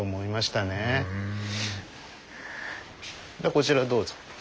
こちらどうぞ。